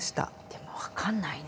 でも分かんないね。